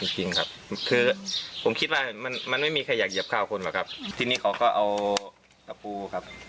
ที่นี่เขาก็เอาตะปูครับ